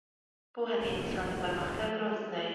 • پوهه د انسان د پرمختګ راز دی.